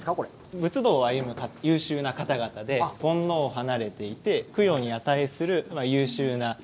仏道を歩む優秀な方々で煩悩を離れていて供養に値する優秀な聖者。